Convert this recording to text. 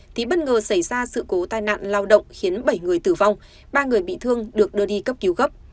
thì bất ngờ xảy ra sự cố tai nạn lao động khiến bảy người tử vong ba người bị thương được đưa đi cấp cứu gấp